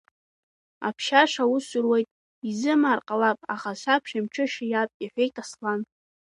Аԥшьаша аус руеит, изымаар ҟалап, аха асабшеи амҽышеи иаап, – иҳәеит Аслан.